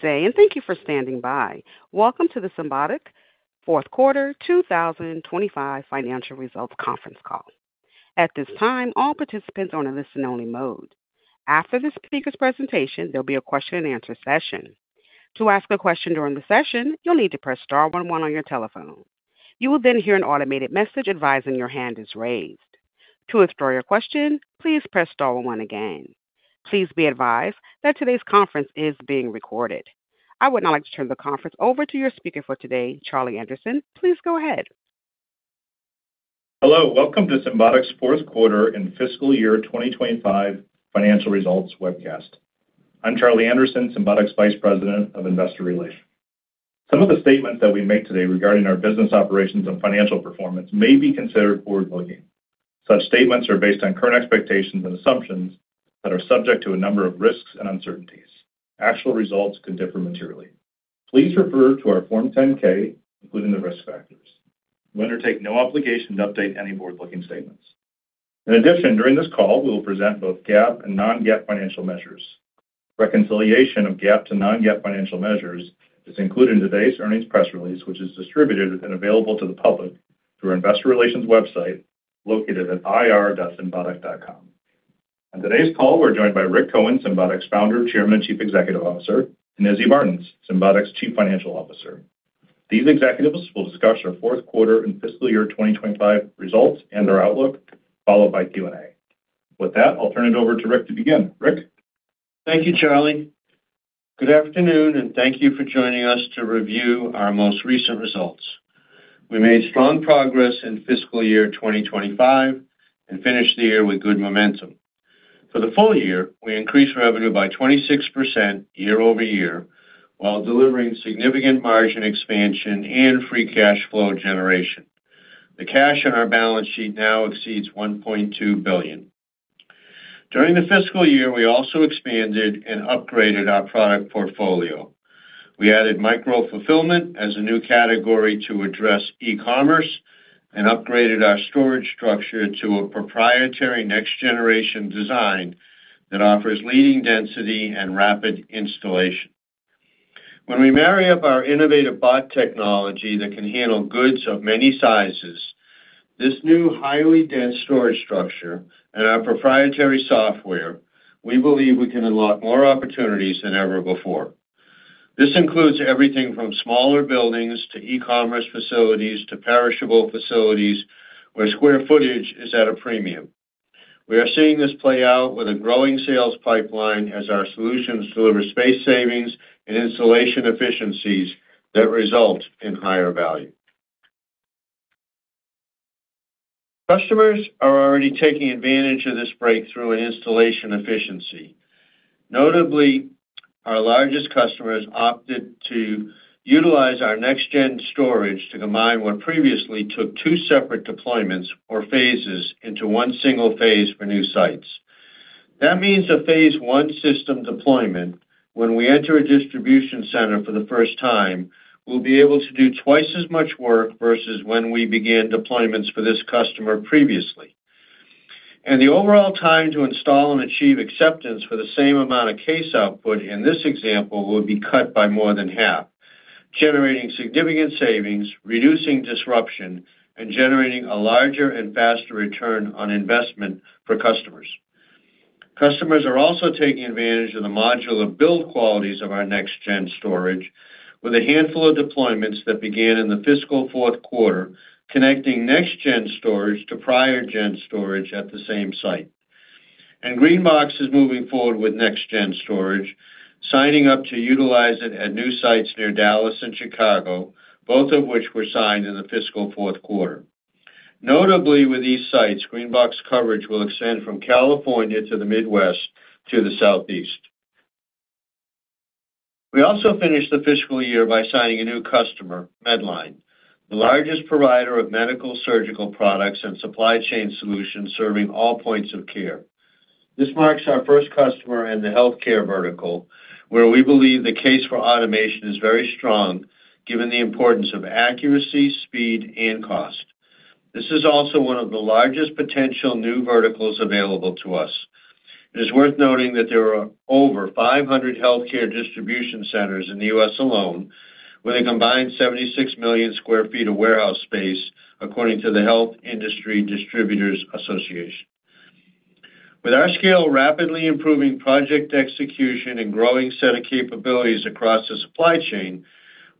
Today, and thank you for standing by. Welcome to the Symbotic Fourth Quarter 2025 Financial Results Conference Call. At this time, all participants are on a listen-only mode. After this speaker's presentation, there'll be a question-and-answer session. To ask a question during the session, you'll need to press star one one on your telephone. You will then hear an automated message advising your hand is raised. To explore your question, please press star one one again. Please be advised that today's conference is being recorded. I would now like to turn the conference over to your speaker for today, Charlie Anderson. Please go ahead. Hello. Welcome to Symbotic's Fourth Quarter and Fiscal Year 2025 Financial Results Webcast. I'm Charlie Anderson, Symbotic's Vice President of Investor Relations. Some of the statements that we make today regarding our business operations and financial performance may be considered forward-looking. Such statements are based on current expectations and assumptions that are subject to a number of risks and uncertainties. Actual results could differ materially. Please refer to our Form 10-K, including the risk factors. We undertake no obligation to update any forward-looking statements. In addition, during this call, we will present both GAAP and non-GAAP financial measures. Reconciliation of GAAP to non-GAAP financial measures is included in today's earnings press release, which is distributed and available to the public through our Investor Relations website located at ir.symbotic.com. On today's call, we're joined by Rick Cohen, Symbotic's Founder, Chairman, and Chief Executive Officer, and Izzy Martins, Symbotic's Chief Financial Officer. These executives will discuss our fourth quarter and fiscal year 2025 results and their outlook, followed by Q&A. With that, I'll turn it over to Rick to begin. Rick. Thank you, Charlie. Good afternoon, and thank you for joining us to review our most recent results. We made strong progress in Fiscal Year 2025 and finished the year with good momentum. For the full year, we increased revenue by 26% year over year while delivering significant margin expansion and free cash flow generation. The cash on our balance sheet now exceeds $1.2 billion. During the fiscal year, we also expanded and upgraded our product portfolio. We added micro-fulfillment as a new category to address e-commerce and upgraded our storage structure to a proprietary next-generation design that offers leading density and rapid installation. When we marry up our innovative bot technology that can handle goods of many sizes, this new highly dense storage structure, and our proprietary software, we believe we can unlock more opportunities than ever before. This includes everything from smaller buildings to e-commerce facilities to perishable facilities where square footage is at a premium. We are seeing this play out with a growing sales pipeline as our solutions deliver space savings and installation efficiencies that result in higher value. Customers are already taking advantage of this breakthrough in installation efficiency. Notably, our largest customers opted to utilize our next-gen storage to combine what previously took two separate deployments or phases into one single phase for new sites. That means a phase one system deployment when we enter a distribution center for the first time will be able to do twice as much work versus when we began deployments for this customer previously. The overall time to install and achieve acceptance for the same amount of case output in this example will be cut by more than half, generating significant savings, reducing disruption, and generating a larger and faster return on investment for customers. Customers are also taking advantage of the modular build qualities of our next-gen storage with a handful of deployments that began in the fiscal fourth quarter, connecting next-gen storage to prior-gen storage at the same site. GreenBox is moving forward with next-gen storage, signing up to utilize it at new sites near Dallas and Chicago, both of which were signed in the fiscal fourth quarter. Notably, with these sites, GreenBox coverage will extend from California to the Midwest to the Southeast. We also finished the fiscal year by signing a new customer, Medline, the largest provider of medical-surgical products and supply chain solutions serving all points of care. This marks our first customer in the healthcare vertical, where we believe the case for automation is very strong given the importance of accuracy, speed, and cost. This is also one of the largest potential new verticals available to us. It is worth noting that there are over 500 healthcare distribution centers in the U.S. alone, with a combined 76 million sq ft of warehouse space, according to the Health Industry Distributors Association. With our scale rapidly improving, project execution, and growing set of capabilities across the supply chain,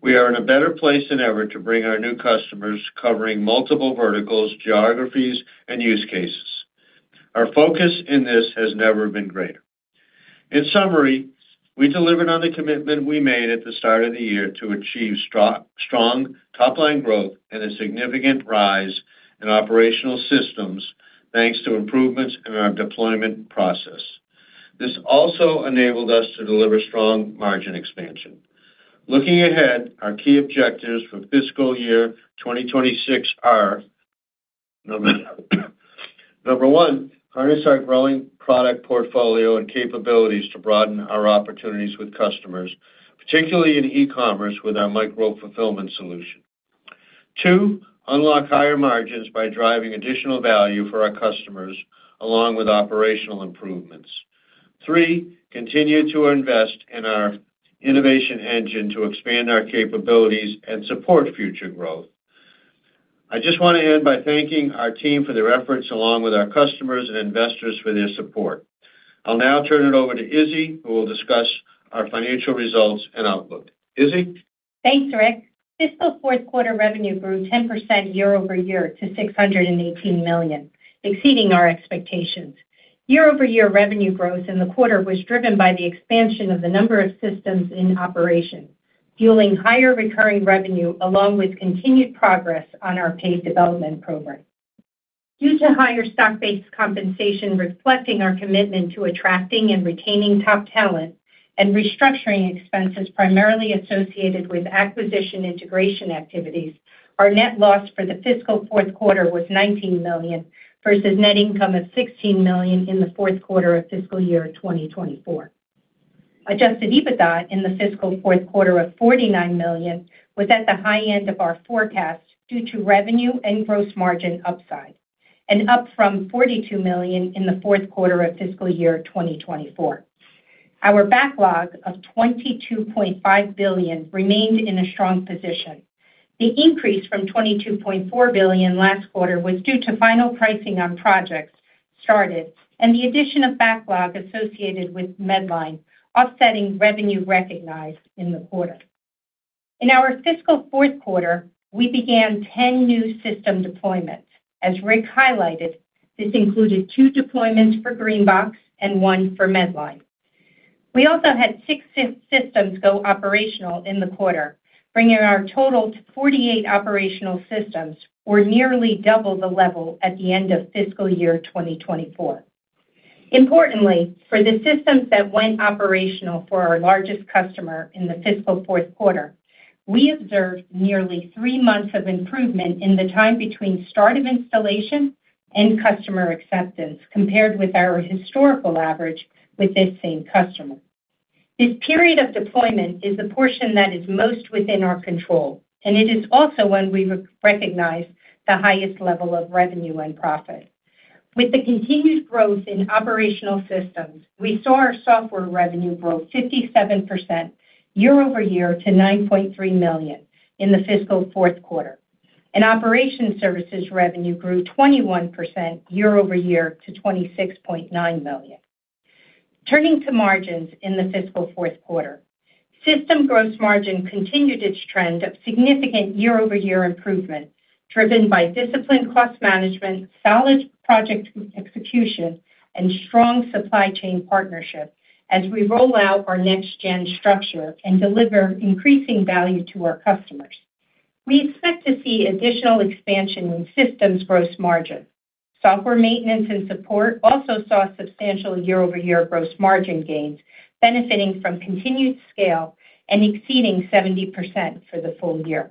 we are in a better place than ever to bring our new customers covering multiple verticals, geographies, and use cases. Our focus in this has never been greater. In summary, we delivered on the commitment we made at the start of the year to achieve strong top-line growth and a significant rise in operational systems thanks to improvements in our deployment process. This also enabled us to deliver strong margin expansion. Looking ahead, our key objectives for fiscal year 2026 are: Number one, harness our growing product portfolio and capabilities to broaden our opportunities with customers, particularly in e-commerce with our micro-fulfillment solution. Two, unlock higher margins by driving additional value for our customers along with operational improvements. Three, continue to invest in our innovation engine to expand our capabilities and support future growth. I just want to end by thanking our team for their efforts along with our customers and investors for their support. I'll now turn it over to Izzy, who will discuss our financial results and outlook. Izzy? Thanks, Rick. Fiscal fourth quarter revenue grew 10% year over year to $618 million, exceeding our expectations. Year-over-year revenue growth in the quarter was driven by the expansion of the number of systems in operation, fueling higher recurring revenue along with continued progress on our paid development program. Due to higher stock-based compensation reflecting our commitment to attracting and retaining top talent and restructuring expenses primarily associated with acquisition integration activities, our net loss for the fiscal fourth quarter was $19 million versus net income of $16 million in the fourth quarter of fiscal year 2024. Adjusted EBITDA in the fiscal fourth quarter of $49 million was at the high end of our forecast due to revenue and gross margin upside, and up from $42 million in the fourth quarter of fiscal year 2024. Our backlog of $22.5 billion remained in a strong position. The increase from $22.4 billion last quarter was due to final pricing on projects started and the addition of backlog associated with Medline, offsetting revenue recognized in the quarter. In our fiscal fourth quarter, we began 10 new system deployments. As Rick highlighted, this included two deployments for GreenBox and one for Medline. We also had six systems go operational in the quarter, bringing our total to 48 operational systems, or nearly double the level at the end of fiscal year 2024. Importantly, for the systems that went operational for our largest customer in the fiscal fourth quarter, we observed nearly three months of improvement in the time between start of installation and customer acceptance compared with our historical average with this same customer. This period of deployment is the portion that is most within our control, and it is also when we recognized the highest level of revenue and profit. With the continued growth in operational systems, we saw our software revenue grow 57% year over year to $9.3 million in the fiscal fourth quarter, and operation services revenue grew 21% year over year to $26.9 million. Turning to margins in the fiscal fourth quarter, system gross margin continued its trend of significant year-over-year improvement driven by disciplined cost management, solid project execution, and strong supply chain partnership as we roll out our next-gen structure and deliver increasing value to our customers. We expect to see additional expansion in systems gross margin. Software maintenance and support also saw substantial year-over-year gross margin gains, benefiting from continued scale and exceeding 70% for the full year.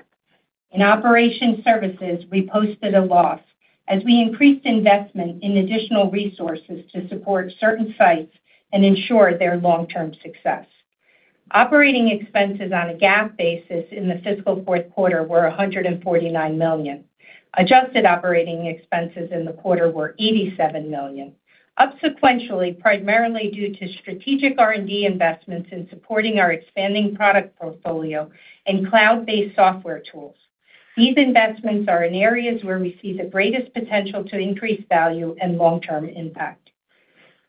In operation services, we posted a loss as we increased investment in additional resources to support certain sites and ensure their long-term success. Operating expenses on a GAAP basis in the fiscal fourth quarter were $149 million. Adjusted operating expenses in the quarter were $87 million, up sequentially primarily due to strategic R&D investments in supporting our expanding product portfolio and cloud-based software tools. These investments are in areas where we see the greatest potential to increase value and long-term impact.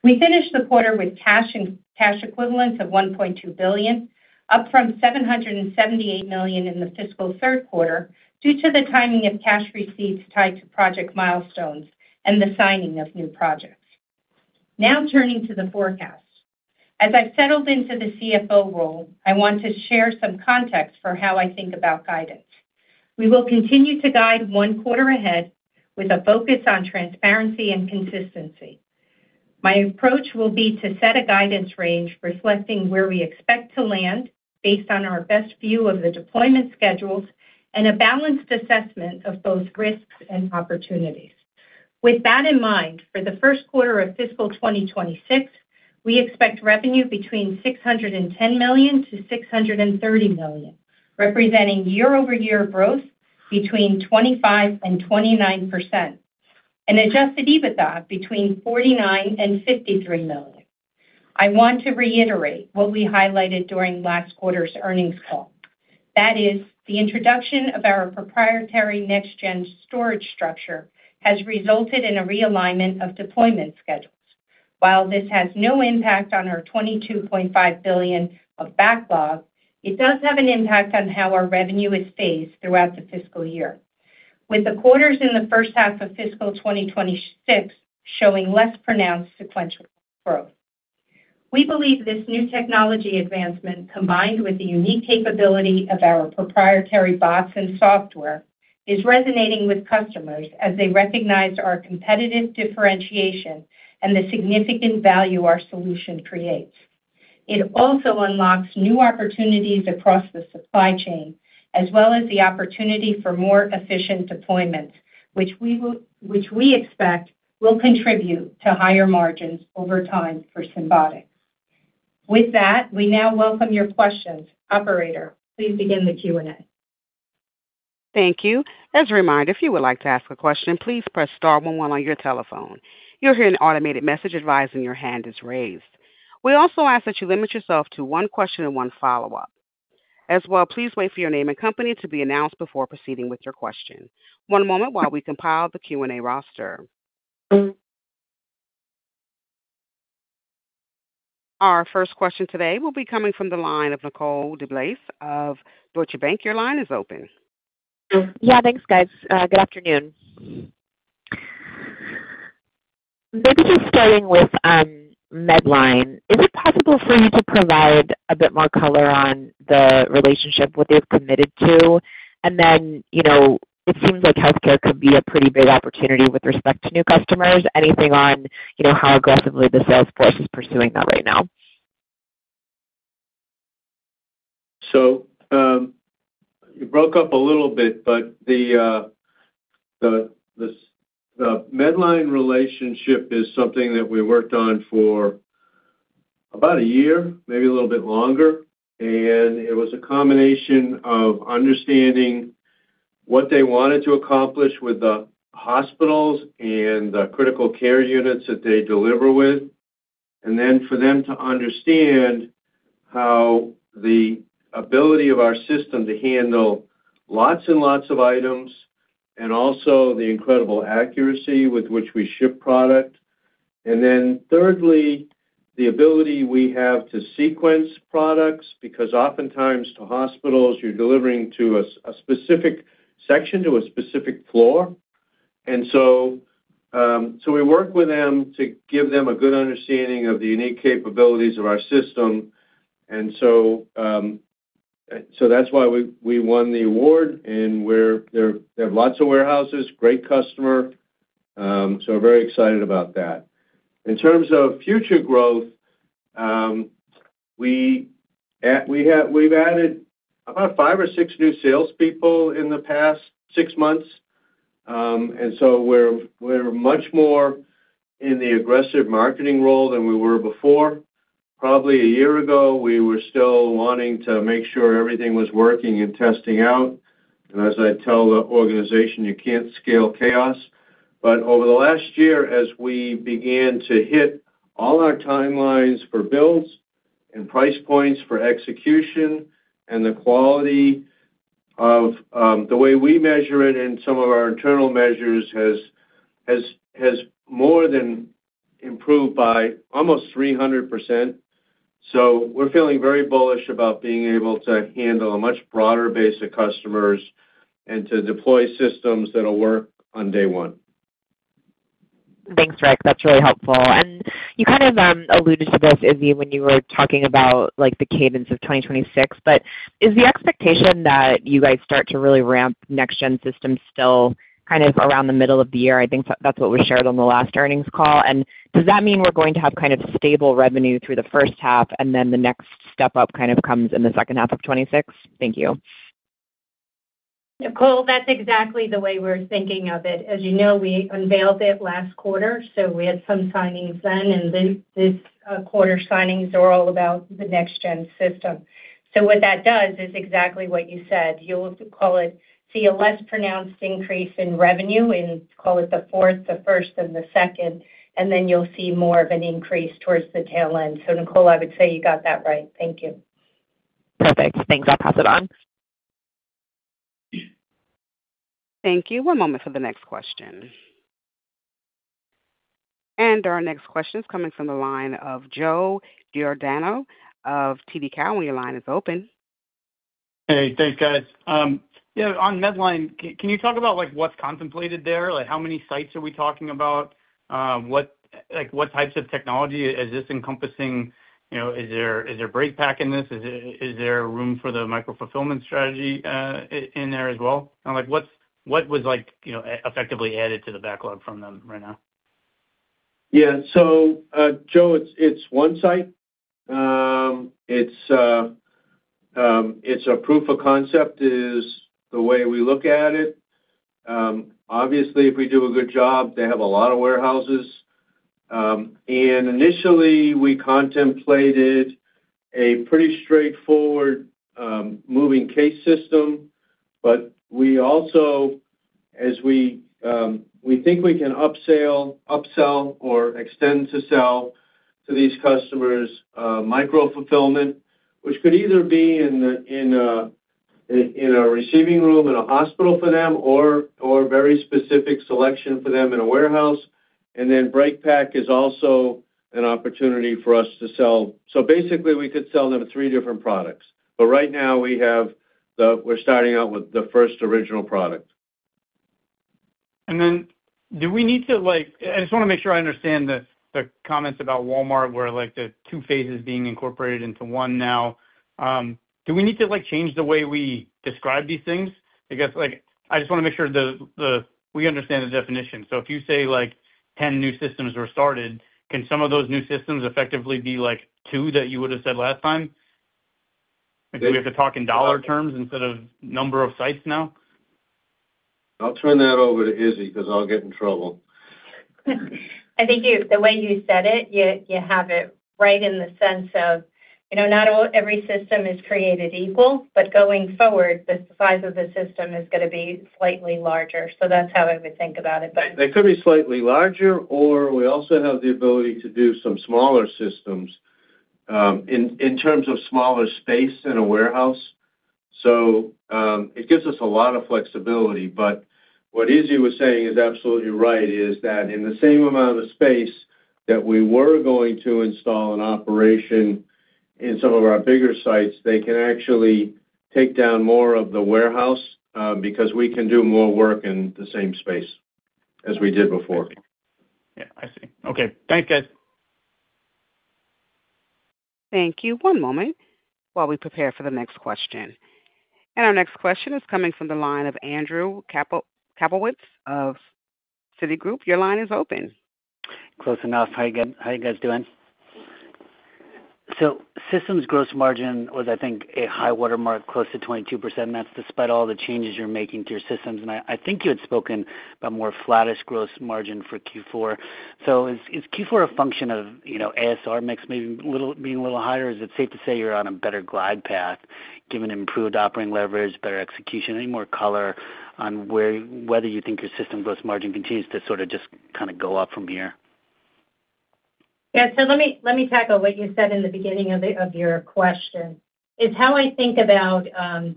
We finished the quarter with cash equivalents of $1.2 billion, up from $778 million in the fiscal third quarter due to the timing of cash receipts tied to project milestones and the signing of new projects. Now turning to the forecast. As I've settled into the CFO role, I want to share some context for how I think about guidance. We will continue to guide one quarter ahead with a focus on transparency and consistency. My approach will be to set a guidance range reflecting where we expect to land based on our best view of the deployment schedules and a balanced assessment of both risks and opportunities. With that in mind, for the first quarter of fiscal 2026, we expect revenue between $610 million and $630 million, representing year-over-year growth between 25% and 29%, and adjusted EBITDA between $49 million and $53 million. I want to reiterate what we highlighted during last quarter's earnings call. That is, the introduction of our proprietary next-gen storage structure has resulted in a realignment of deployment schedules. While this has no impact on our $22.5 billion of backlog, it does have an impact on how our revenue is phased throughout the fiscal year, with the quarters in the first half of fiscal 2026 showing less pronounced sequential growth. We believe this new technology advancement, combined with the unique capability of our proprietary bots and software, is resonating with customers as they recognize our competitive differentiation and the significant value our solution creates. It also unlocks new opportunities across the supply chain, as well as the opportunity for more efficient deployments, which we expect will contribute to higher margins over time for Symbotic. With that, we now welcome your questions. Operator, please begin the Q&A. Thank you. As a reminder, if you would like to ask a question, please press star one one on your telephone. You'll hear an automated message advising your hand is raised. We also ask that you limit yourself to one question and one follow-up. As well, please wait for your name and company to be announced before proceeding with your question. One moment while we compile the Q&A roster. Our first question today will be coming from the line of Nicole Deblase of Deutsche Bank. Your line is open. Yeah, thanks, guys. Good afternoon. Maybe just starting with Medline, is it possible for you to provide a bit more color on the relationship, what they've committed to? It seems like healthcare could be a pretty big opportunity with respect to new customers. Anything on how aggressively the Salesforce is pursuing that right now? You broke up a little bit, but the Medline relationship is something that we worked on for about a year, maybe a little bit longer. It was a combination of understanding what they wanted to accomplish with the hospitals and the critical care units that they deliver with, and then for them to understand how the ability of our system to handle lots and lots of items and also the incredible accuracy with which we ship product. Thirdly, the ability we have to sequence products because oftentimes to hospitals, you're delivering to a specific section, to a specific floor. We work with them to give them a good understanding of the unique capabilities of our system. That's why we won the award, and they have lots of warehouses, great customer. We're very excited about that. In terms of future growth, we've added about five or six new salespeople in the past six months. We are much more in the aggressive marketing role than we were before. Probably a year ago, we were still wanting to make sure everything was working and testing out. As I tell the organization, you can't scale chaos. Over the last year, as we began to hit all our timelines for builds and price points for execution and the quality of the way we measure it and some of our internal measures has more than improved by almost 300%. We are feeling very bullish about being able to handle a much broader base of customers and to deploy systems that'll work on day one. Thanks, Rick. That's really helpful. You kind of alluded to this, Izzy, when you were talking about the cadence of 2026, but is the expectation that you guys start to really ramp next-gen systems still kind of around the middle of the year? I think that's what was shared on the last earnings call. Does that mean we're going to have kind of stable revenue through the first half, and then the next step up kind of comes in the second half of 2026? Thank you. Nicole, that's exactly the way we're thinking of it. As you know, we unveiled it last quarter, so we had some signings then, and this quarter's signings are all about the next-gen system. What that does is exactly what you said. You'll see a less pronounced increase in revenue in, call it, the fourth, the first, and the second, and then you'll see more of an increase towards the tail end. Nicole, I would say you got that right. Thank you. Perfect. Thanks. I'll pass it on. Thank you. One moment for the next question. Our next question is coming from the line of Joe Giordano of TD Cowen. Your line is open. Hey, thanks, guys. Yeah, on Medline, can you talk about what's contemplated there? How many sites are we talking about? What types of technology is this encompassing? Is there Breakpack in this? Is there room for the micro-fulfillment strategy in there as well? What was effectively added to the backlog from them right now? Yeah. So Joe, it's one site. It's a proof of concept is the way we look at it. Obviously, if we do a good job, they have a lot of warehouses. Initially, we contemplated a pretty straightforward moving case system, but we also, as we think we can upsell or extend to sell to these customers micro-fulfillment, which could either be in a receiving room in a hospital for them or very specific selection for them in a warehouse. Breakpack is also an opportunity for us to sell. Basically, we could sell them three different products. Right now, we're starting out with the first original product. Do we need to—I just want to make sure I understand the comments about Walmart where the two phases being incorporated into one now. Do we need to change the way we describe these things? I guess I just want to make sure we understand the definition. If you say 10 new systems were started, can some of those new systems effectively be two that you would have said last time? Do we have to talk in dollar terms instead of number of sites now? I'll turn that over to Izzy because I'll get in trouble. I think the way you said it, you have it right in the sense of not every system is created equal, but going forward, the size of the system is going to be slightly larger. That is how I would think about it. They could be slightly larger, or we also have the ability to do some smaller systems in terms of smaller space in a warehouse. It gives us a lot of flexibility. What Izzy was saying is absolutely right is that in the same amount of space that we were going to install an operation in some of our bigger sites, they can actually take down more of the warehouse because we can do more work in the same space as we did before. Yeah. I see. Okay. Thanks, guys. Thank you. One moment while we prepare for the next question. Our next question is coming from the line of Andrew Kaplowitz of Citigroup. Your line is open. Close enough. How are you guys doing? Systems gross margin was, I think, a high watermark close to 22%. That's despite all the changes you're making to your systems. I think you had spoken about more flattish gross margin for Q4. Is Q4 a function of ASR mix maybe being a little higher? Is it safe to say you're on a better glide path given improved operating leverage, better execution, any more color on whether you think your system gross margin continues to sort of just kind of go up from here? Yeah. Let me tackle what you said in the beginning of your question. It's how I think about,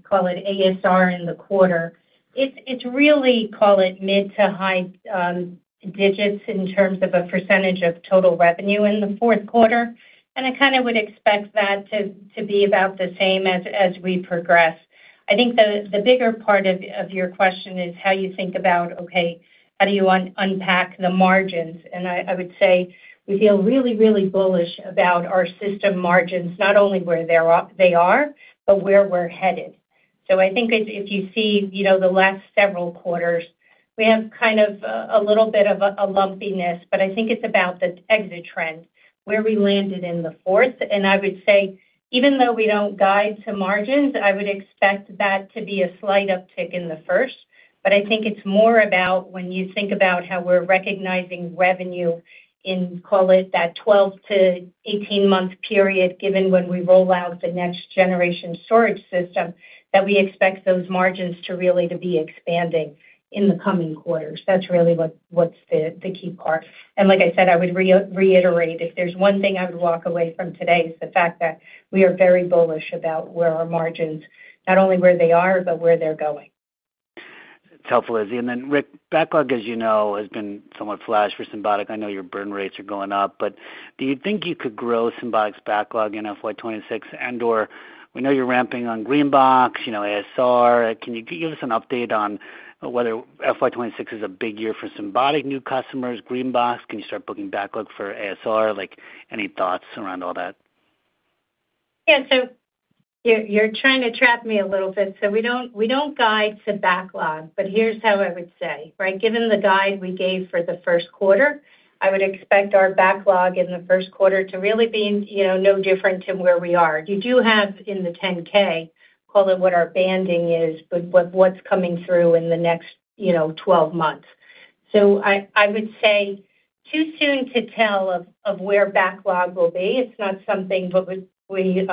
call it ASR in the quarter. It's really, call it mid to high digits in terms of a percentage of total revenue in the fourth quarter. I kind of would expect that to be about the same as we progress. I think the bigger part of your question is how you think about, okay, how do you unpack the margins? I would say we feel really, really bullish about our system margins, not only where they are, but where we're headed. I think if you see the last several quarters, we have kind of a little bit of a lumpiness, but I think it's about the exit trend, where we landed in the fourth. I would say, even though we don't guide to margins, I would expect that to be a slight uptick in the first. I think it's more about when you think about how we're recognizing revenue in, call it that 12 to 18-month period, given when we roll out the next generation storage system, that we expect those margins to really be expanding in the coming quarters. That's really what's the key part. Like I said, I would reiterate, if there's one thing I would walk away from today, it's the fact that we are very bullish about where our margins, not only where they are, but where they're going. It's helpful, Izzy. Rick, backlog, as you know, has been somewhat flash for Symbotic. I know your burn rates are going up, but do you think you could grow Symbotic's backlog in 2026? And/or we know you're ramping on GreenBox, ASR. Can you give us an update on whether 2026 is a big year for Symbotic new customers, GreenBox? Can you start booking backlog for ASR? Any thoughts around all that? Yeah. You're trying to trap me a little bit. We don't guide to backlog, but here's how I would say, right? Given the guide we gave for the first quarter, I would expect our backlog in the first quarter to really be no different than where we are. You do have in the 10-K, call it what our banding is, but what's coming through in the next 12 months. I would say too soon to tell of where backlog will be. It's not something that we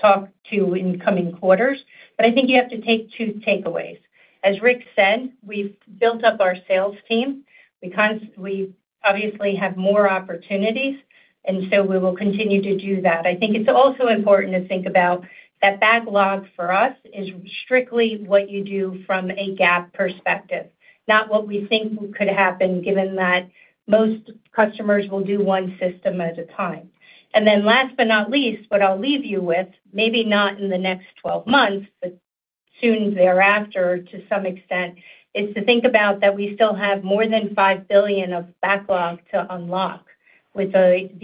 talk to in coming quarters. I think you have to take two takeaways. As Rick said, we've built up our sales team. We obviously have more opportunities, and we will continue to do that. I think it's also important to think about that backlog for us is strictly what you do from a GAAP perspective, not what we think could happen given that most customers will do one system at a time. Last but not least, what I'll leave you with, maybe not in the next 12 months, but soon thereafter to some extent, is to think about that we still have more than $5 billion of backlog to unlock with the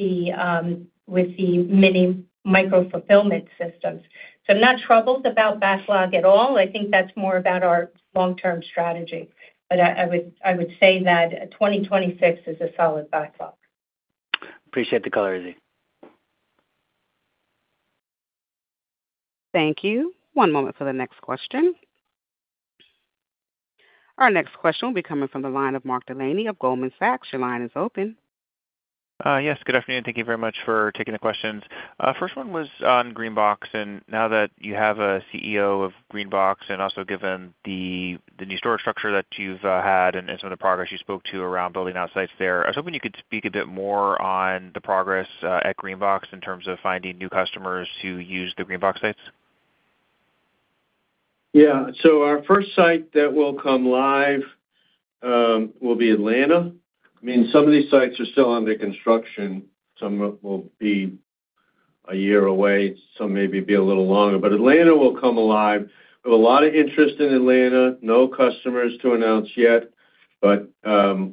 mini micro-fulfillment systems. I'm not troubled about backlog at all. I think that's more about our long-term strategy. I would say that 2026 is a solid backlog. Appreciate the color, Izzy. Thank you. One moment for the next question. Our next question will be coming from the line of Mark Delaney of Goldman Sachs. Your line is open. Yes. Good afternoon. Thank you very much for taking the questions. First one was on GreenBox. Now that you have a CEO of GreenBox and also given the new store structure that you've had and some of the progress you spoke to around building out sites there, I was hoping you could speak a bit more on the progress at GreenBox in terms of finding new customers who use the GreenBox sites. Yeah. Our first site that will come live will be Atlanta. I mean, some of these sites are still under construction. Some will be a year away. Some may be a little longer. Atlanta will come alive. We have a lot of interest in Atlanta. No customers to announce yet.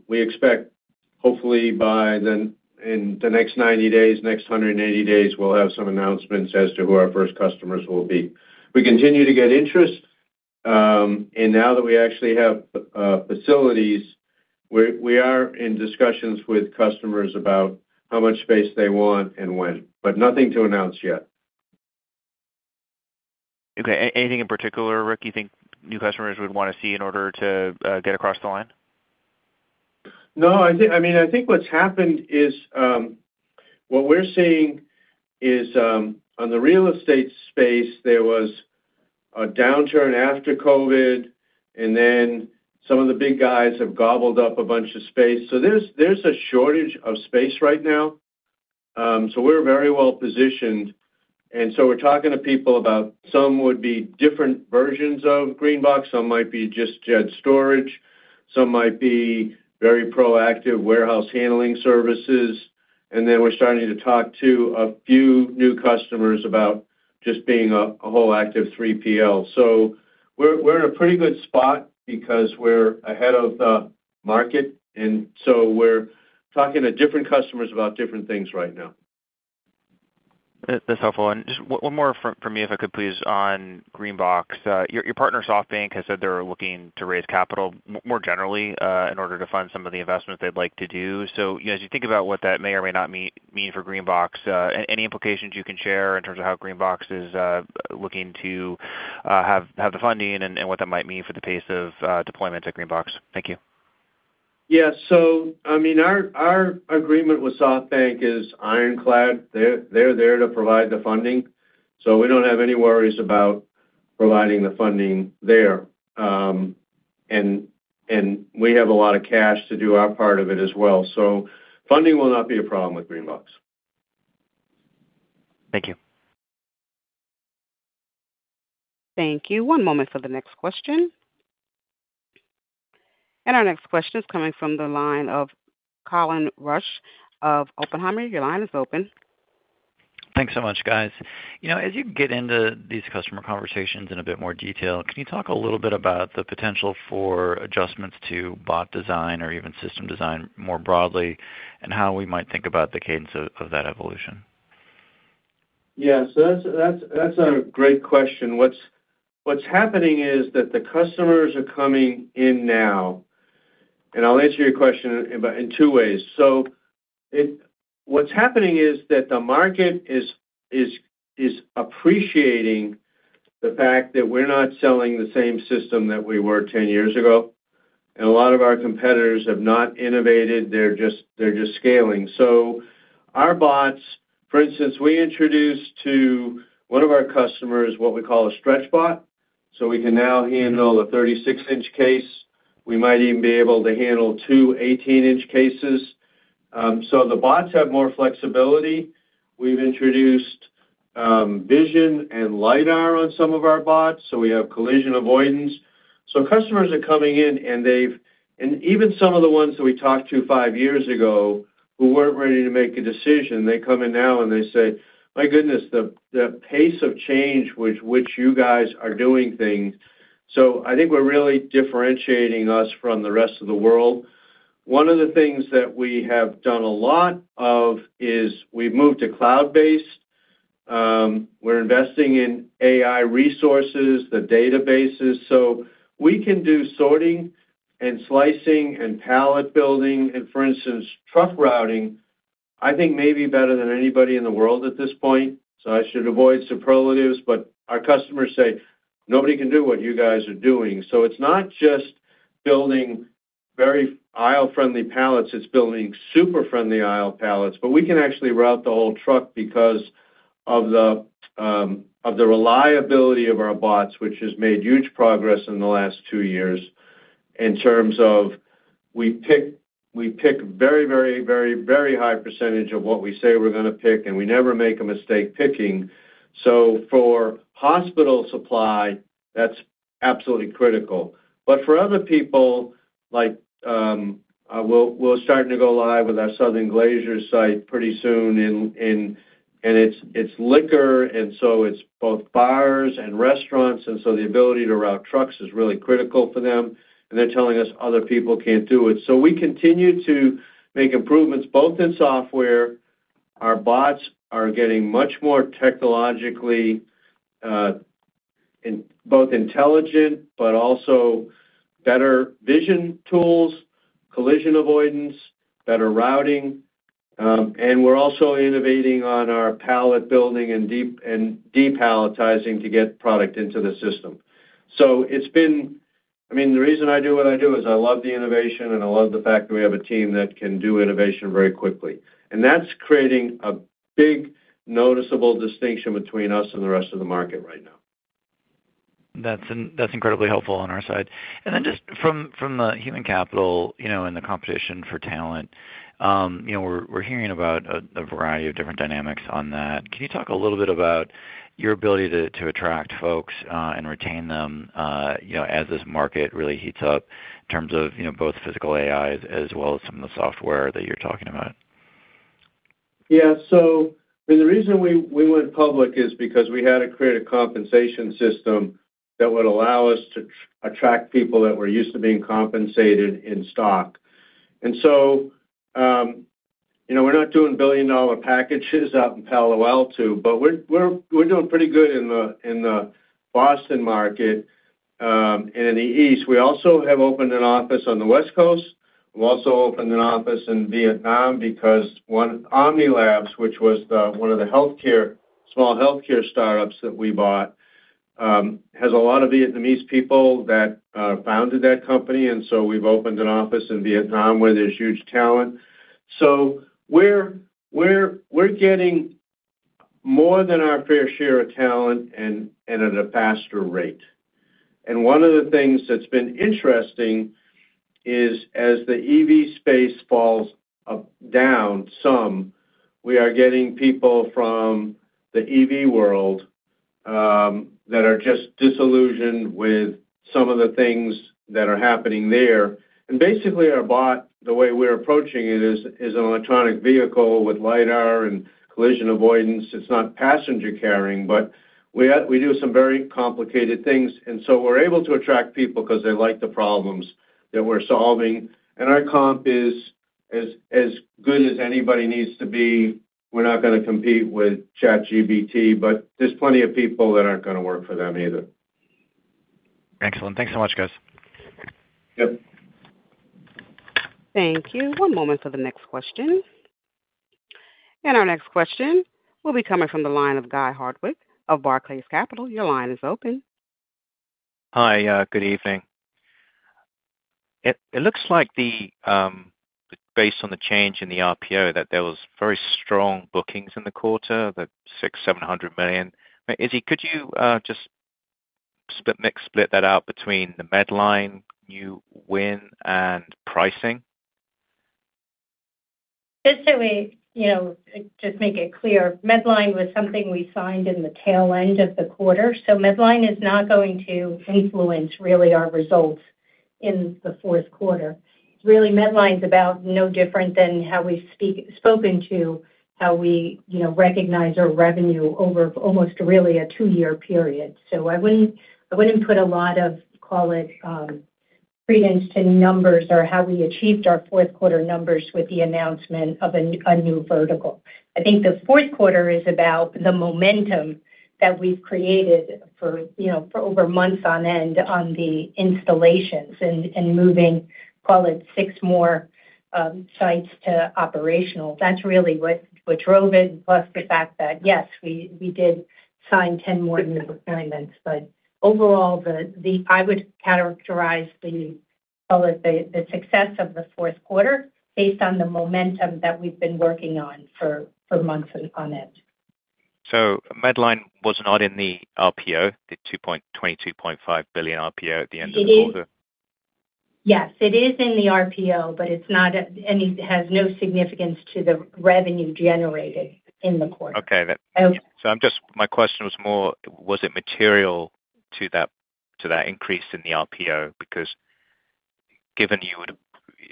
We expect, hopefully, by the next 90 days, next 180 days, we'll have some announcements as to who our first customers will be. We continue to get interest. Now that we actually have facilities, we are in discussions with customers about how much space they want and when, but nothing to announce yet. Okay. Anything in particular, Rick, you think new customers would want to see in order to get across the line? No. I mean, I think what's happened is what we're seeing is on the real estate space, there was a downturn after COVID, and then some of the big guys have gobbled up a bunch of space. There is a shortage of space right now. We are very well positioned. We are talking to people about some would be different versions of GreenBox. Some might be just jet storage. Some might be very proactive warehouse handling services. We are starting to talk to a few new customers about just being a whole active 3PL. We are in a pretty good spot because we are ahead of the market. We are talking to different customers about different things right now. That's helpful. Just one more from me, if I could please, on GreenBox. Your partner, SoftBank, has said they're looking to raise capital more generally in order to fund some of the investments they'd like to do. As you think about what that may or may not mean for GreenBox, any implications you can share in terms of how GreenBox is looking to have the funding and what that might mean for the pace of deployment to GreenBox? Thank you. Yeah. I mean, our agreement with SoftBank is ironclad. They're there to provide the funding. We don't have any worries about providing the funding there. We have a lot of cash to do our part of it as well. Funding will not be a problem with GreenBox. Thank you. Thank you. One moment for the next question. Our next question is coming from the line of Colin Rusch of Oppenheimer. Your line is open. Thanks so much, guys. As you get into these customer conversations in a bit more detail, can you talk a little bit about the potential for adjustments to bot design or even system design more broadly and how we might think about the cadence of that evolution? Yeah. That's a great question. What's happening is that the customers are coming in now. I'll answer your question in two ways. What's happening is that the market is appreciating the fact that we're not selling the same system that we were 10 years ago. A lot of our competitors have not innovated. They're just scaling. Our bots, for instance, we introduced to one of our customers what we call a Stretch Bot. We can now handle a 36-inch case. We might even be able to handle two 18-inch cases. The bots have more flexibility. We've introduced vision and lidar on some of our bots. We have collision avoidance. Customers are coming in, and even some of the ones that we talked to five years ago who were not ready to make a decision, they come in now and they say, "My goodness, the pace of change with which you guys are doing things." I think we are really differentiating us from the rest of the world. One of the things that we have done a lot of is we have moved to cloud-based. We are investing in AI resources, the databases. We can do sorting and slicing and pallet building. For instance, truck routing, I think maybe better than anybody in the world at this point. I should avoid superlatives, but our customers say, "Nobody can do what you guys are doing." It is not just building very aisle-friendly pallets. It is building super-friendly aisle pallets. We can actually route the whole truck because of the reliability of our bots, which has made huge progress in the last two years in terms of we pick very, very, very, very high percentage of what we say we're going to pick, and we never make a mistake picking. For hospital supply, that's absolutely critical. For other people, like we're starting to go live with our Southern Glacier site pretty soon, and it's liquor. It's both bars and restaurants. The ability to route trucks is really critical for them. They're telling us other people can't do it. We continue to make improvements both in software. Our bots are getting much more technologically both intelligent, but also better vision tools, collision avoidance, better routing. We're also innovating on our pallet building and depalletizing to get product into the system. I mean, the reason I do what I do is I love the innovation, and I love the fact that we have a team that can do innovation very quickly. That is creating a big noticeable distinction between us and the rest of the market right now. That's incredibly helpful on our side. Just from the human capital and the competition for talent, we're hearing about a variety of different dynamics on that. Can you talk a little bit about your ability to attract folks and retain them as this market really heats up in terms of both physical AI as well as some of the software that you're talking about? Yeah. The reason we went public is because we had to create a compensation system that would allow us to attract people that were used to being compensated in stock. We're not doing billion-dollar packages out in Palo Alto, but we're doing pretty good in the Boston market and in the East. We also have opened an office on the West Coast. We've also opened an office in Vietnam because OhmniLabs, which was one of the small healthcare startups that we bought, has a lot of Vietnamese people that founded that company. We've opened an office in Vietnam where there's huge talent. We're getting more than our fair share of talent and at a faster rate. One of the things that's been interesting is as the EV space falls down some, we are getting people from the EV world that are just disillusioned with some of the things that are happening there and basically are bought. The way we're approaching it is an electronic vehicle with lidar and collision avoidance. It's not passenger carrying, but we do some very complicated things. We are able to attract people because they like the problems that we're solving. Our comp is as good as anybody needs to be. We're not going to compete with ChatGPT, but there's plenty of people that aren't going to work for them either. Excellent. Thanks so much, guys. Thank you. One moment for the next question. Our next question will be coming from the line of Guy Hardwick of Barclays Capital. Your line is open. Hi. Good evening. It looks like based on the change in the RPO that there was very strong bookings in the quarter, the $600 million to $700 million. Izzy, could you just split that out between the Medline, new win, and pricing? Just so we just make it clear, Medline was something we signed in the tail end of the quarter. So Medline is not going to influence really our results in the fourth quarter. Really, Medline's about no different than how we've spoken to how we recognize our revenue over almost really a two-year period. So I wouldn't put a lot of, call it, credence to numbers or how we achieved our fourth quarter numbers with the announcement of a new vertical. I think the fourth quarter is about the momentum that we've created for over months on end on the installations and moving, call it, six more sites to operational. That's really what drove it, plus the fact that, yes, we did sign 10 more new appointments. Overall, I would characterize the, call it, the success of the fourth quarter based on the momentum that we've been working on for months on end. Medline was not in the RPO, the $22.5 billion RPO at the end of the quarter? It is. Yes. It is in the RPO, but it has no significance to the revenue generated in the quarter. Okay. My question was more, was it material to that increase in the RPO? Because given you would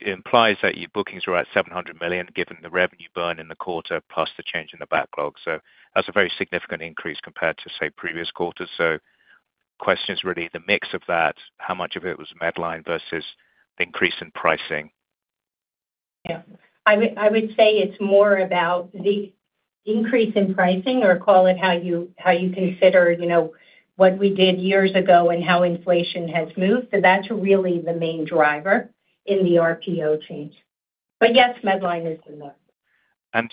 imply that your bookings were at $700 million given the revenue burn in the quarter plus the change in the backlog. That is a very significant increase compared to, say, previous quarters. The question is really the mix of that, how much of it was Medline versus the increase in pricing. Yeah. I would say it's more about the increase in pricing or call it how you consider what we did years ago and how inflation has moved. That's really the main driver in the RPO change. Yes, Medline is in there.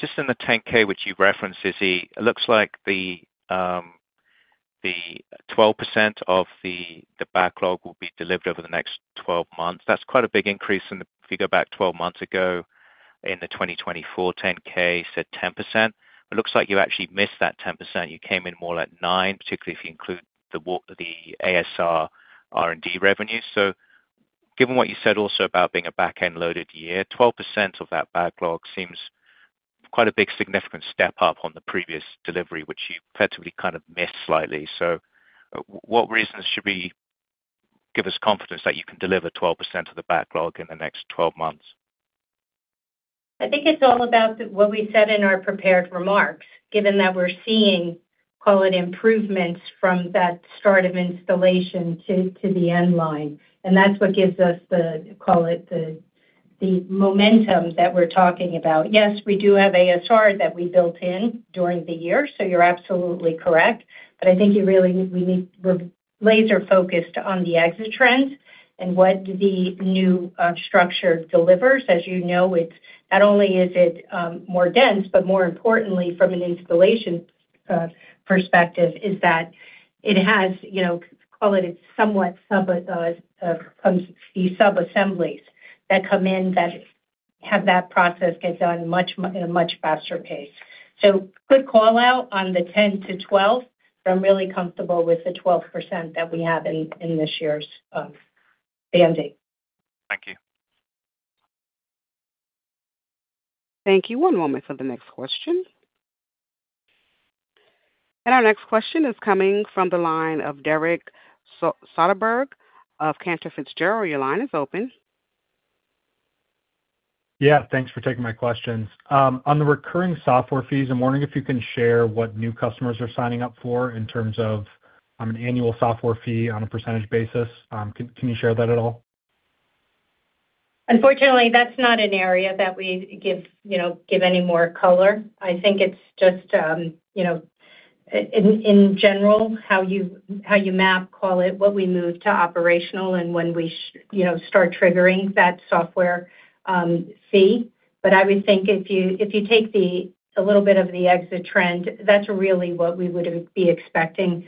Just in the 10-K, which you've referenced, Izzy, it looks like the 12% of the backlog will be delivered over the next 12 months. That's quite a big increase if you go back 12 months ago in the 2024 10-K, said 10%. It looks like you actually missed that 10%. You came in more like 9%, particularly if you include the ASR R&D revenue. Given what you said also about being a back-end loaded year, 12% of that backlog seems quite a big significant step up on the previous delivery, which you effectively kind of missed slightly. What reasons should we give us confidence that you can deliver 12% of the backlog in the next 12 months? I think it's all about what we said in our prepared remarks, given that we're seeing, call it, improvements from that start of installation to the end line. That's what gives us the, call it, the momentum that we're talking about. Yes, we do have ASR that we built in during the year. You're absolutely correct. I think we need laser-focused on the exit trends and what the new structure delivers. As you know, not only is it more dense, but more importantly, from an installation perspective, is that it has, call it, it's somewhat the sub-assemblies that come in that have that process get done at a much faster pace. Good call out on the 10% to 12%. I'm really comfortable with the 12% that we have in this year's banding. Thank you. Thank you. One moment for the next question. Our next question is coming from the line of Derek Soderberg of Cantor Fitzgerald. Your line is open. Yeah. Thanks for taking my questions. On the recurring software fees, I'm wondering if you can share what new customers are signing up for in terms of an annual software fee on a percentage basis. Can you share that at all? Unfortunately, that's not an area that we give any more color. I think it's just, in general, how you map, call it, what we move to operational and when we start triggering that software fee. I would think if you take a little bit of the exit trend, that's really what we would be expecting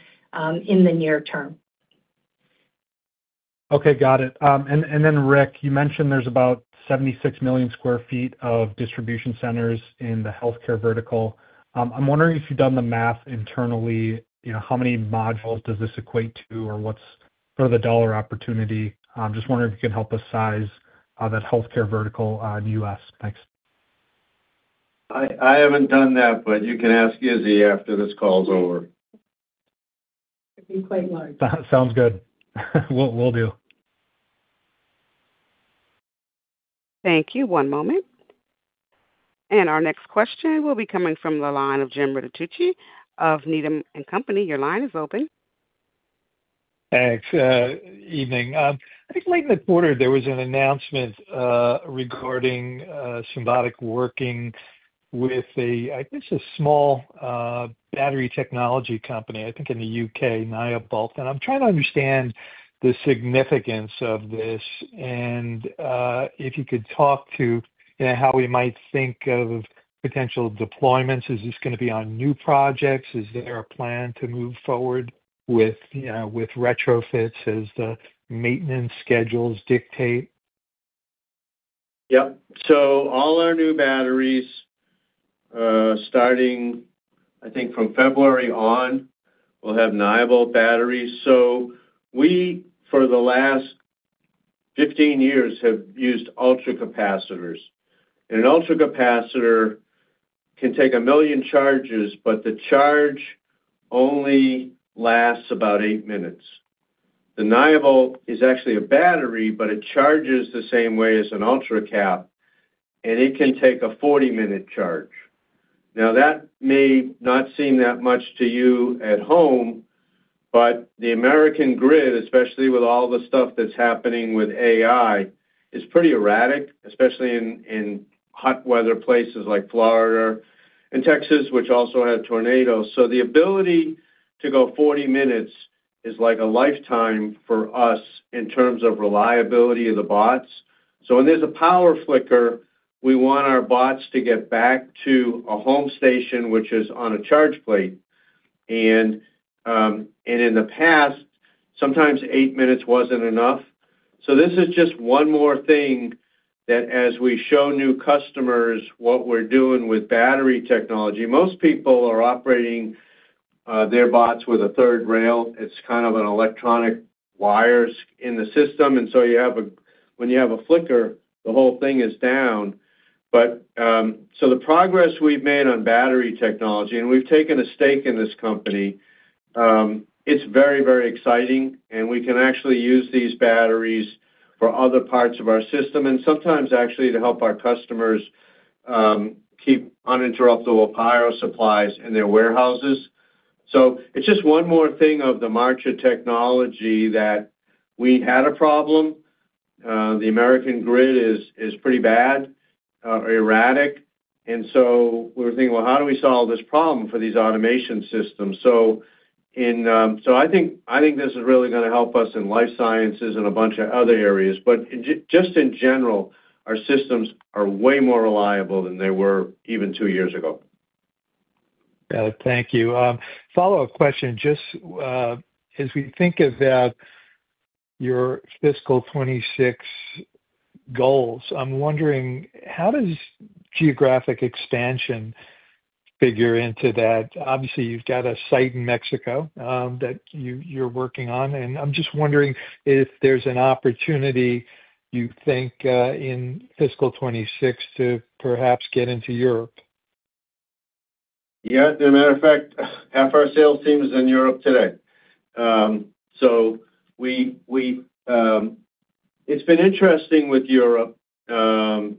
in the near term. Okay. Got it. Rick, you mentioned there's about 76 million sq ft of distribution centers in the healthcare vertical. I'm wondering if you've done the math internally, how many modules does this equate to or what's sort of the dollar opportunity? Just wondering if you can help us size that healthcare vertical in the U.S. Thanks. I haven't done that, but you can ask Izzy after this call's over. It'd be quite large. Sounds good. Will do. Thank you. One moment. Our next question will be coming from the line of Jim Riccitelli of Needham & Company. Your line is open. Thanks. Evening. I think late in the quarter, there was an announcement regarding Symbotic working with, I guess, a small battery technology company, I think in the U.K., Nyobolt. And I'm trying to understand the significance of this. And if you could talk to how we might think of potential deployments. Is this going to be on new projects? Is there a plan to move forward with retrofits as the maintenance schedules dictate? Yep. All our new batteries, starting, I think, from February on, will have Nyobolt batteries. For the last 15 years, we have used ultra capacitors. An ultra capacitor can take a million charges, but the charge only lasts about eight minutes. The Nyobolt is actually a battery, but it charges the same way as an ultra cap, and it can take a 40-minute charge. Now, that may not seem that much to you at home, but the American grid, especially with all the stuff that's happening with AI, is pretty erratic, especially in hot weather places like Florida and Texas, which also had tornadoes. The ability to go 40 minutes is like a lifetime for us in terms of reliability of the bots. When there's a power flicker, we want our bots to get back to a home station, which is on a charge plate. In the past, sometimes eight minutes wasn't enough. This is just one more thing that, as we show new customers what we're doing with battery technology, most people are operating their bots with a third rail. It's kind of an electronic wires in the system. When you have a flicker, the whole thing is down. The progress we've made on battery technology, and we've taken a stake in this company, it's very, very exciting. We can actually use these batteries for other parts of our system and sometimes actually to help our customers keep uninterruptible power supplies in their warehouses. It is just one more thing of the march of technology that we had a problem. The American grid is pretty bad or erratic. We were thinking, how do we solve this problem for these automation systems? I think this is really going to help us in life sciences and a bunch of other areas. Just in general, our systems are way more reliable than they were even two years ago. Thank you. Follow-up question. Just as we think about your fiscal 2026 goals, I'm wondering, how does geographic expansion figure into that? Obviously, you've got a site in Mexico that you're working on. I'm just wondering if there's an opportunity, you think, in fiscal 2026 to perhaps get into Europe. Yeah. As a matter of fact, half our sales team is in Europe today. It has been interesting with Europe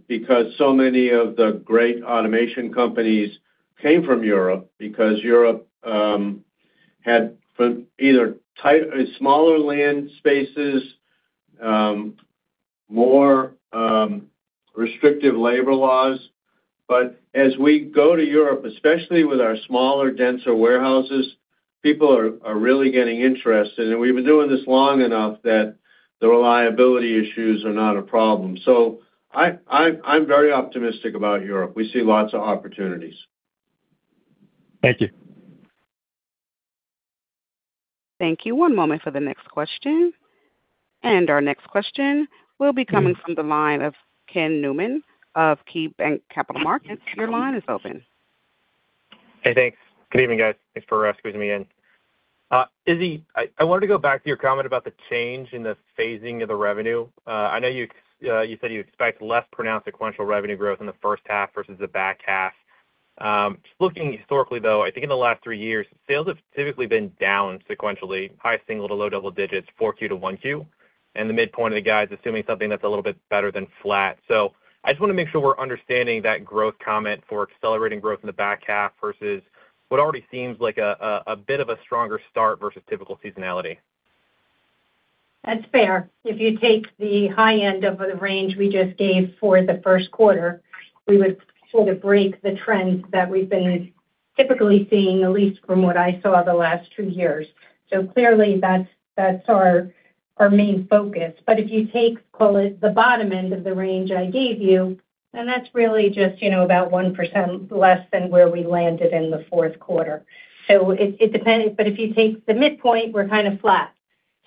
because so many of the great automation companies came from Europe because Europe had either smaller land spaces, more restrictive labor laws. As we go to Europe, especially with our smaller, denser warehouses, people are really getting interested. We have been doing this long enough that the reliability issues are not a problem. I am very optimistic about Europe. We see lots of opportunities. Thank you. Thank you. One moment for the next question. Our next question will be coming from the line of Ken Newman of KeyBanc Capital Markets. Your line is open. Hey, thanks. Good evening, guys. Thanks for excusing me in. Izzy, I wanted to go back to your comment about the change in the phasing of the revenue. I know you said you expect less pronounced sequential revenue growth in the first half versus the back half. Just looking historically, though, I think in the last three years, sales have typically been down sequentially, high single to low double digits, 4Q to 1Q, and the midpoint of the guys assuming something that's a little bit better than flat. I just want to make sure we're understanding that growth comment for accelerating growth in the back half versus what already seems like a bit of a stronger start versus typical seasonality. That's fair. If you take the high end of the range we just gave for the first quarter, we would sort of break the trends that we've been typically seeing, at least from what I saw the last two years. Clearly, that's our main focus. If you take, call it, the bottom end of the range I gave you, then that's really just about 1% less than where we landed in the fourth quarter. It depends. If you take the midpoint, we're kind of flat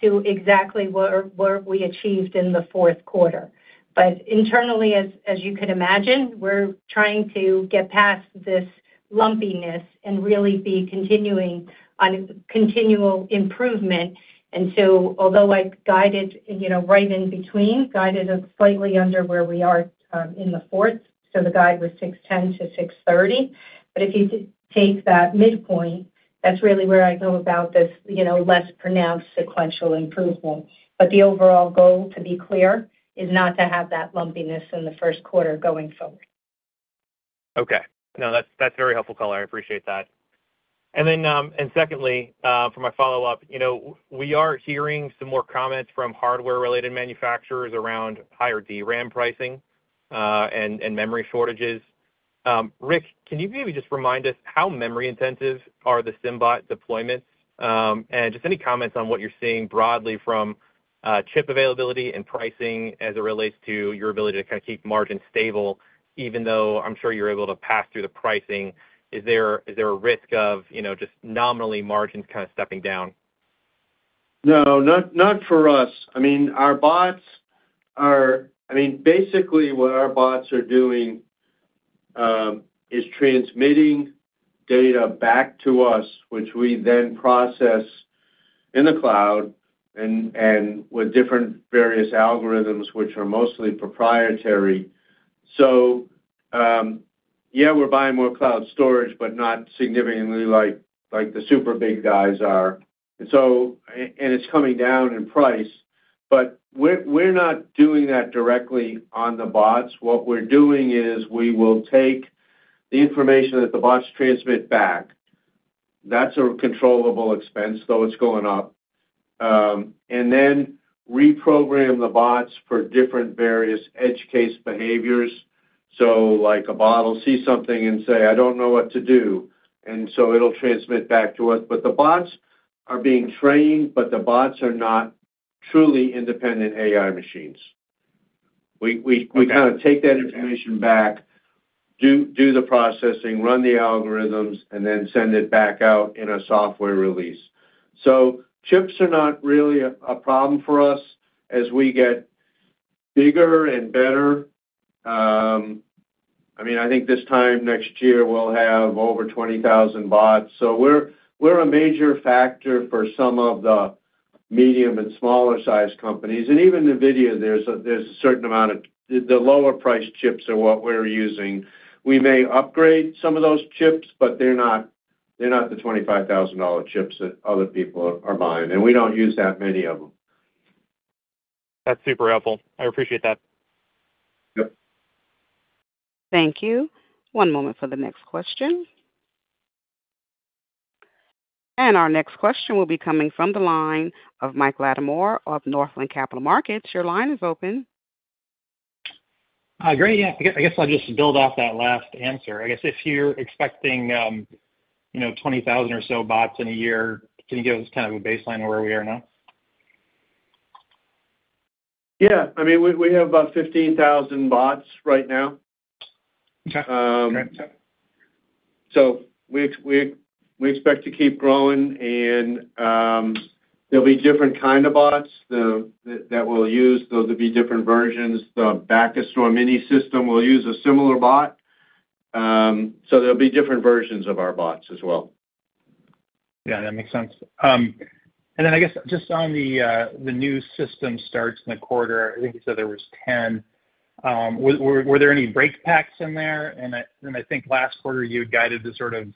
to exactly where we achieved in the fourth quarter. Internally, as you could imagine, we're trying to get past this lumpiness and really be continuing on continual improvement. Although I guided right in between, guided slightly under where we are in the fourth. The guide was $610 million to $630 million. If you take that midpoint, that's really where I go about this less pronounced sequential improvement. The overall goal, to be clear, is not to have that lumpiness in the first quarter going forward. Okay. No, that's very helpful, Charlie. I appreciate that. For my follow-up, we are hearing some more comments from hardware-related manufacturers around higher DRAM pricing and memory shortages. Rick, can you maybe just remind us how memory intensive are the Symbotic deployments? Just any comments on what you're seeing broadly from chip availability and pricing as it relates to your ability to kind of keep margins stable, even though I'm sure you're able to pass through the pricing. Is there a risk of just nominally margins kind of stepping down? No, not for us. I mean, our bots are, I mean, basically, what our bots are doing is transmitting data back to us, which we then process in the cloud and with different various algorithms, which are mostly proprietary. Yeah, we're buying more cloud storage, but not significantly like the super big guys are. It's coming down in price. We're not doing that directly on the bots. What we're doing is we will take the information that the bots transmit back. That's a controllable expense, though it's going up. Then reprogram the bots for different various edge case behaviors. A bot will see something and say, "I don't know what to do." It'll transmit back to us. The bots are being trained, but the bots are not truly independent AI machines. We kind of take that information back, do the processing, run the algorithms, and then send it back out in a software release. Chips are not really a problem for us as we get bigger and better. I mean, I think this time next year, we'll have over 20,000 bots. We are a major factor for some of the medium and smaller-sized companies. Even NVIDIA, there is a certain amount of the lower-priced chips that we are using. We may upgrade some of those chips, but they are not the $25,000 chips that other people are buying. We do not use that many of them. That's super helpful. I appreciate that. Thank you. One moment for the next question. Our next question will be coming from the line of Mike Latimore of Northland Capital Markets. Your line is open. Great. Yeah. I guess I'll just build off that last answer. I guess if you're expecting 20,000 or so bots in a year, can you give us kind of a baseline of where we are now? Yeah. I mean, we have about 15,000 bots right now. We expect to keep growing. There will be different kinds of bots that we will use. There will be different versions. The Backustorm mini system will use a similar bot. There will be different versions of our bots as well. Yeah. That makes sense. I guess just on the new system starts in the quarter, I think you said there was 10%. Were there any break packs in there? I think last quarter, you had guided to sort of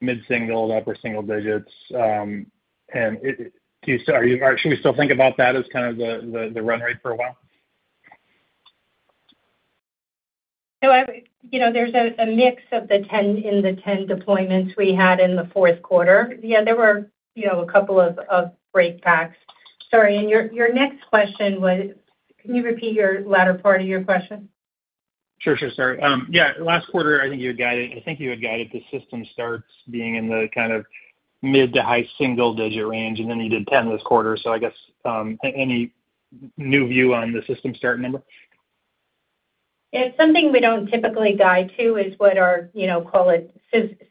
mid-single, upper single digits. Should we still think about that as kind of the run rate for a while? There is a mix of the 10% deployments we had in the fourth quarter. Yeah, there were a couple of break packs. Sorry. Your next question was, can you repeat your latter part of your question? Sure. Sorry. Last quarter, I think you had guided the system starts being in the kind of mid to high single-digit range. And then you did 10% this quarter. I guess any new view on the system start number? It's something we don't typically guide to is what our, call it,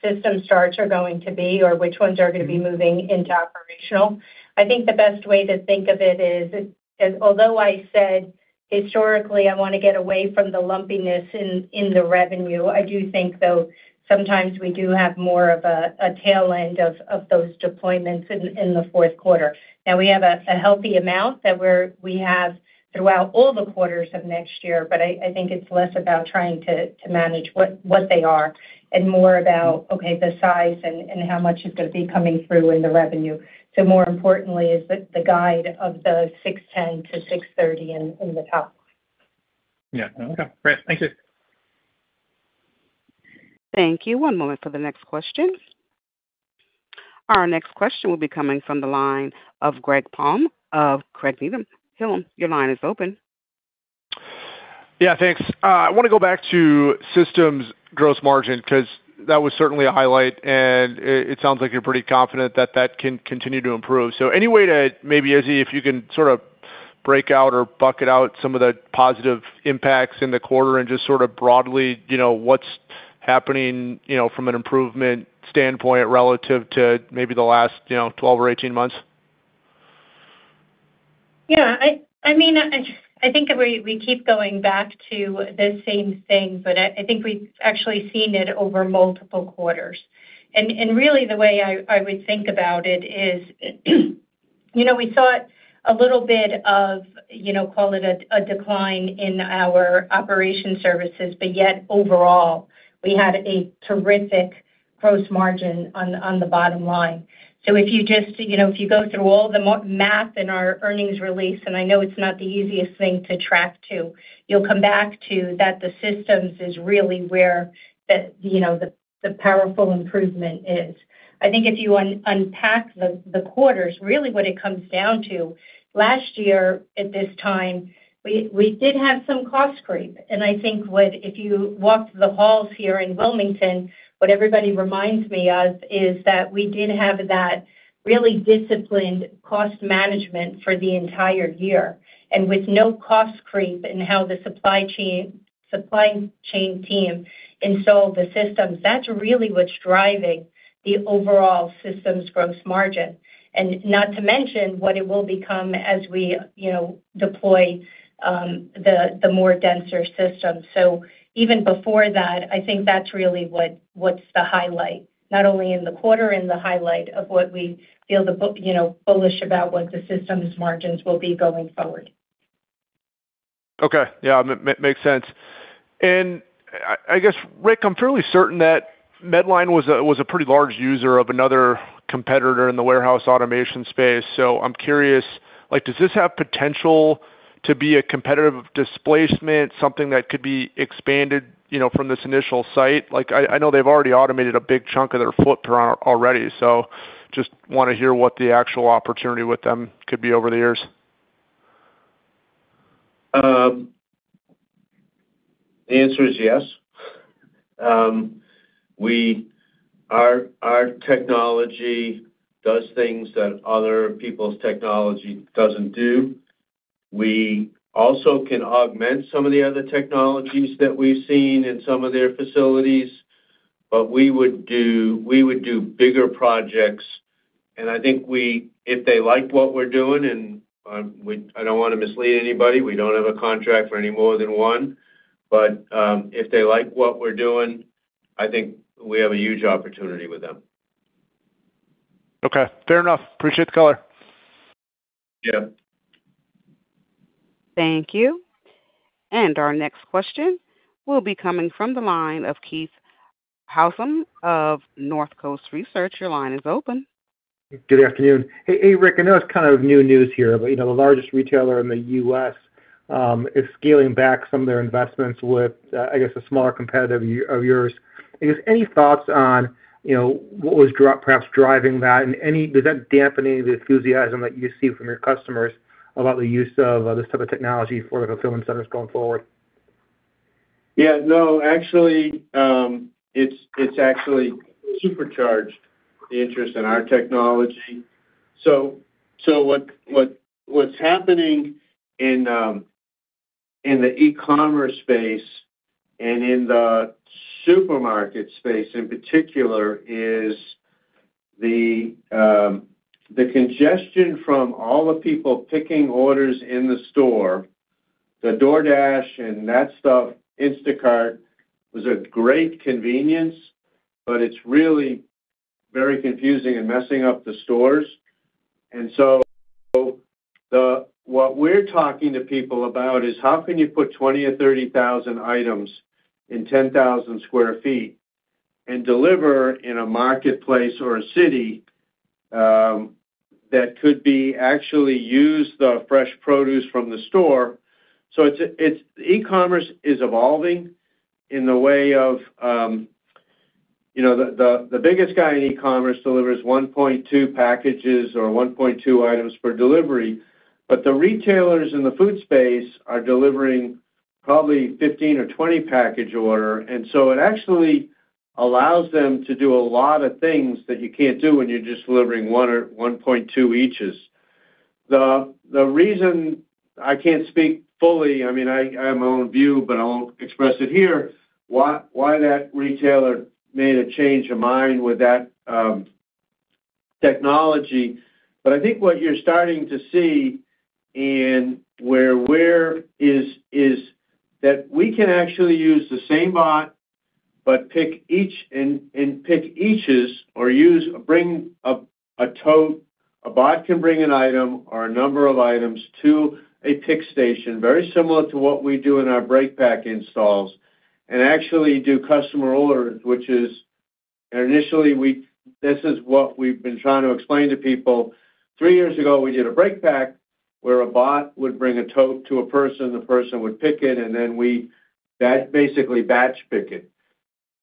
system starts are going to be or which ones are going to be moving into operational. I think the best way to think of it is, although I said historically, I want to get away from the lumpiness in the revenue, I do think, though, sometimes we do have more of a tail end of those deployments in the fourth quarter. Now, we have a healthy amount that we have throughout all the quarters of next year, but I think it's less about trying to manage what they are and more about, okay, the size and how much is going to be coming through in the revenue. More importantly is the guide of the $610 to $630 in the top. Yeah. Okay. Great. Thank you. Thank you. One moment for the next question. Our next question will be coming from the line of Greg Palm of Craig-Hallum. Your line is open. Yeah. Thanks. I want to go back to systems gross margin because that was certainly a highlight. It sounds like you're pretty confident that that can continue to improve. Any way to maybe, Izzy, if you can sort of break out or bucket out some of the positive impacts in the quarter and just sort of broadly what's happening from an improvement standpoint relative to maybe the last 12 or 18 months? Yeah. I mean, I think we keep going back to the same thing, but I think we've actually seen it over multiple quarters. Really, the way I would think about it is we saw a little bit of, call it, a decline in our operations services, but yet overall, we had a terrific gross margin on the bottom line. If you just go through all the math in our earnings release, and I know it's not the easiest thing to track to, you'll come back to that the systems is really where the powerful improvement is. I think if you unpack the quarters, really what it comes down to, last year at this time, we did have some cost creep. I think if you walked the halls here in Wilmington, what everybody reminds me of is that we did have that really disciplined cost management for the entire year. With no cost creep in how the supply chain team installed the systems, that's really what's driving the overall systems gross margin. Not to mention what it will become as we deploy the more denser systems. Even before that, I think that's really what's the highlight, not only in the quarter, in the highlight of what we feel bullish about what the systems margins will be going forward. Okay. Yeah. Makes sense. I guess, Rick, I'm fairly certain that Medline was a pretty large user of another competitor in the warehouse automation space. I'm curious, does this have potential to be a competitive displacement, something that could be expanded from this initial site? I know they've already automated a big chunk of their footprint already. Just want to hear what the actual opportunity with them could be over the years. The answer is yes. Our technology does things that other people's technology doesn't do. We also can augment some of the other technologies that we've seen in some of their facilities. We would do bigger projects. I think if they like what we're doing, and I don't want to mislead anybody, we don't have a contract for any more than one. If they like what we're doing, I think we have a huge opportunity with them. Okay. Fair enough. Appreciate the color. Yeah. Thank you. Our next question will be coming from the line of Keith Housum of North Coast Research. Your line is open. Good afternoon. Hey, Rick. I know it's kind of new news here, but the largest retailer in the U.S. is scaling back some of their investments with, I guess, a smaller competitor of yours. I guess any thoughts on what was perhaps driving that? Does that dampen any of the enthusiasm that you see from your customers about the use of this type of technology for the fulfillment centers going forward? Yeah. No, actually, it's actually supercharged the interest in our technology. What's happening in the e-commerce space and in the supermarket space in particular is the congestion from all the people picking orders in the store. The DoorDash and that stuff, Instacart was a great convenience, but it's really very confusing and messing up the stores. What we're talking to people about is how can you put 20,000 or 30,000 items in 10,000 sq ft and deliver in a marketplace or a city that could be actually used, the fresh produce from the store? E-commerce is evolving in the way of the biggest guy in e-commerce delivers 1.2 packages or 1.2 items per delivery. The retailers in the food space are delivering probably 15 or 20 package orders. It actually allows them to do a lot of things that you can't do when you're just delivering 1.2 eaches. The reason I can't speak fully, I mean, I have my own view, but I won't express it here, why that retailer made a change of mind with that technology. I think what you're starting to see and where we are is that we can actually use the same bot but pick each and pick eaches or bring a tote. A bot can bring an item or a number of items to a pick station, very similar to what we do in our break pack installs, and actually do customer orders, which is initially this is what we've been trying to explain to people. Three years ago, we did a break pack where a bot would bring a tote to a person. The person would pick it, and then we basically batch pick it.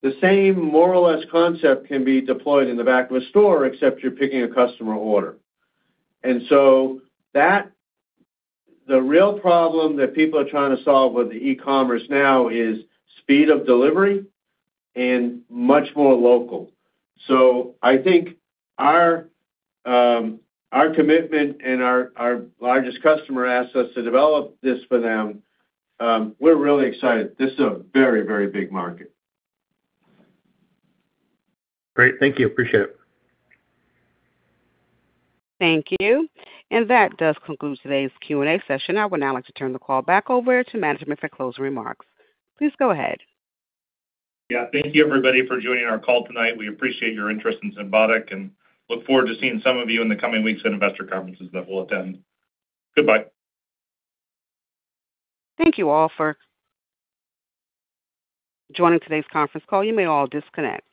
The same more or less concept can be deployed in the back of a store, except you're picking a customer order. The real problem that people are trying to solve with e-commerce now is speed of delivery and much more local. I think our commitment and our largest customer asked us to develop this for them. We're really excited. This is a very, very big market. Great. Thank you. Appreciate it. Thank you. That does conclude today's Q&A session. I would now like to turn the call back over to management for closing remarks. Please go ahead. Yeah. Thank you, everybody, for joining our call tonight. We appreciate your interest in Symbotic and look forward to seeing some of you in the coming weeks at investor conferences that we'll attend. Goodbye. Thank you all for joining today's conference call. You may all disconnect.